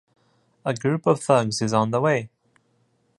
A group of thugs is on the way.